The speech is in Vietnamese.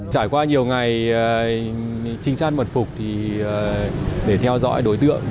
trải qua nhiều ngày trinh sát mật phục để theo dõi đối tượng